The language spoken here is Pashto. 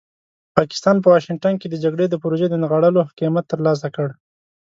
پاکستان په واشنګټن کې د جګړې د پروژې د نغاړلو قیمت ترلاسه کړ.